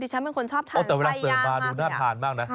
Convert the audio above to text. ดิฉันเป็นคนชอบทานไส้ย่างมาก